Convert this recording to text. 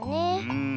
うん。